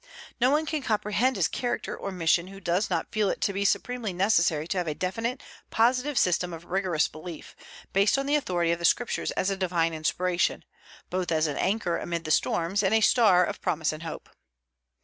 No one can comprehend his character or mission who does not feel it to be supremely necessary to have a definite, positive system of religious belief, based on the authority of the Scriptures as a divine inspiration, both as an anchor amid the storms and a star of promise and hope.